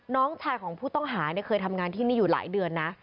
น้องชายของผู้ต้องหาเนี่ยเคยทำงานที่นี่อยู่หลายเดือนนะ